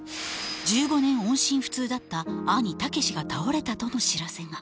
１５年音信不通だった兄武志が倒れたとの知らせが。